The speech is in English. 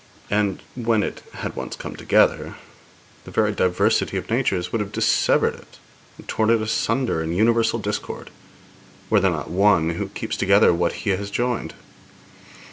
And when it had once come together, the very diversity of natures would have dissevered it and torn it asunder in universal discord were there not One who keeps together what He has joined.